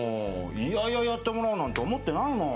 いやいややってもらおうなんて思ってないもん。